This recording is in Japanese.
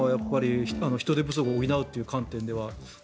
人手不足を補うという観点では。